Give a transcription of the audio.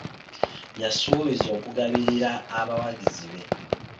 Yasuubiza okugabirira abawagizi be.